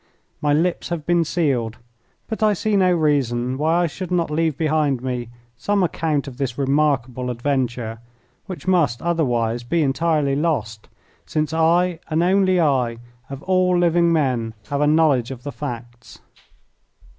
My lips have been sealed, but I see no reason why I should not leave behind me some account of this remarkable adventure, which must otherwise be entirely lost, since I and only I, of all living men, have a knowledge of the facts.